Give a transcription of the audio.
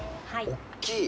おっきい。